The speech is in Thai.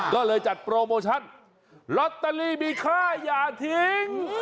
ก็เลยจัดโปรโมชั่นลอตเตอรี่มีค่าอย่าทิ้ง